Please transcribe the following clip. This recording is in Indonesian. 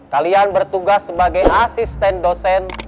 kalian bertugas sebagai asisten dosen